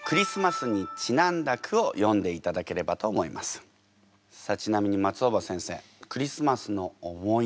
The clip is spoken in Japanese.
本日はさあちなみに松尾葉先生